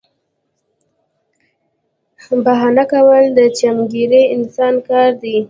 بهانه کول د چمګیره انسان کار دی